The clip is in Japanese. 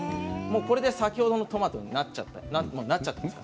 これで先ほどのトマトになっちゃっています。